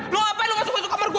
lu ngapain lu masuk masuk kamar gua